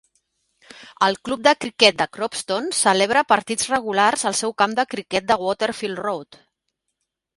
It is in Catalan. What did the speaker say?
El Club de Criquet de Cropston celebra partits regulars al seu camp de criquet de Waterfield Road.